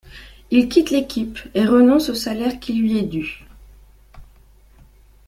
Il quitte l'équipe et renonce au salaire qui lui est dû.